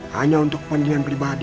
hanya untuk pandingan pribadi